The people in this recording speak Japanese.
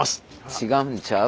違うんちゃう？